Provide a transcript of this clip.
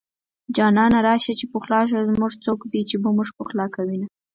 جانانه راشه چې پخلا شو زمونږه څوک دي چې به مونږ پخلا کوينه